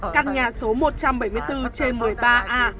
căn nhà số một trăm bảy mươi bốn trên một mươi ba a